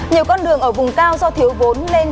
nhiều con đường ở vùng cao do thiếu vốn nên